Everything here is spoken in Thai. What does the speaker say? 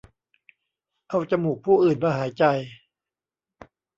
เอาจมูกผู้อื่นมาหายใจ